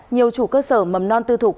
nhiều chủ cơ sở mầm non tư thục